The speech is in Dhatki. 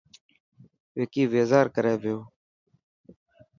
وڪي بيزار ڪري پيو.